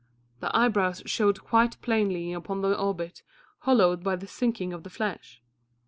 The eyebrows showed quite plainly upon the orbit, hollowed by the sinking of the flesh.